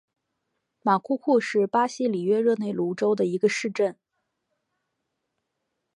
马库库是巴西里约热内卢州的一个市镇。